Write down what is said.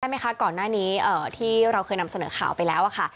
อ่าใช่มั้ยคะก่อนหน้านี้อ่อที่เราเคยนำเสนอข่าวไปแล้วอ่ะค่ะ